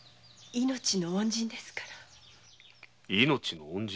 命の恩人？